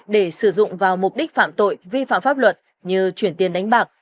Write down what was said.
để sử dụng vào mục đích phạm tội vi phạm pháp luật như chuyển tiền đánh bạc